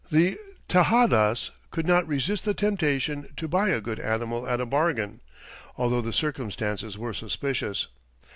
The Tejadas could not resist the temptation to buy a good animal at a bargain, although the circumstances were suspicious.